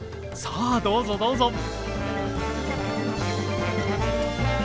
さあどうぞどうぞ。